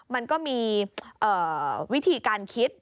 มันก็มีวิธีการคิด